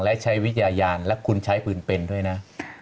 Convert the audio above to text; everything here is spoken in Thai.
และใช้วิทยานและคุณใช้ปืนเป็นด้วยนะ